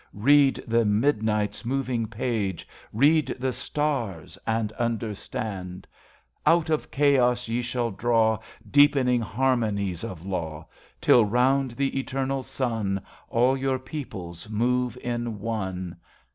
Read the midnight's moving page, « 81 INTERCESSION Read the stars and understand : Out of Chaos ye shall draw Deepening harmonies of Laic, Till around the Eternal Sun All your peoples move in one.